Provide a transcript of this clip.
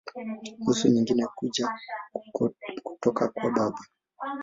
Nusu nyingine kuja kutoka kwa baba.